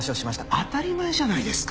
当たり前じゃないですか！